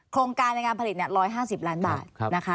โครงการในการผลิต๑๕๐ล้านบาทนะคะ